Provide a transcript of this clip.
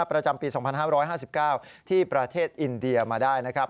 ประจำปี๒๕๕๙ที่ประเทศอินเดียมาได้นะครับ